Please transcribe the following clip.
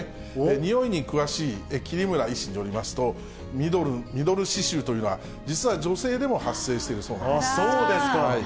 においに詳しい桐村医師によりますと、ミドル脂臭というのは、実は女性でも発生しているそうなそうですか。